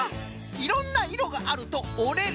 「いろんないろがある」と「おれる」。